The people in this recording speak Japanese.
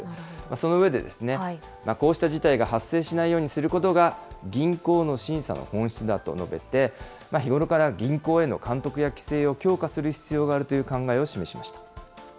その上で、こうした事態が発生しないようにすることが、銀行の審査の本質だと述べて、日頃から銀行への監督や規制を強化する必要があるという考えを示しました。